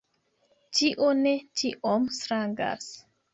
Tio ne tiom strangas.